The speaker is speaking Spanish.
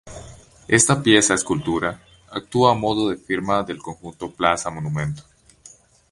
Esta pieza-escultura actúa a modo de firma del conjunto plaza-monumento.